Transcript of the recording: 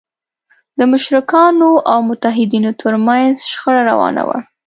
د مشرکانو او موحدینو تر منځ شخړه روانه وه.